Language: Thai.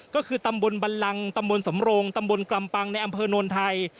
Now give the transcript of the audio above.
ก็คือตำบลบันลังตำบลสำโรงตำบลกลำปังในอำเภอโนนไทย